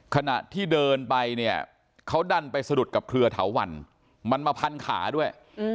ขณะที่เดินไปเนี่ยเขาดันไปสะดุดกับเครือเถาวันมันมาพันขาด้วย